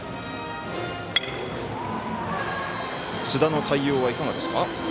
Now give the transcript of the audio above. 津田の対応はいかがですか？